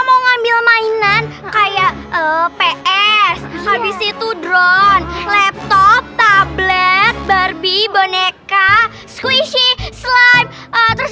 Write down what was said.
mau ngambil mainan kayak ps habis itu drone laptop tablet barbie boneka squishy slide terus